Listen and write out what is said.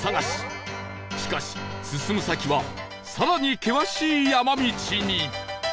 しかし進む先は更に険しい山道に